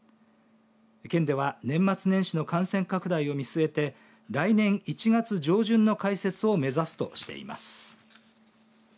県では年末年始の感染拡大を見据えて来年１月上旬の開設を目指すとしています。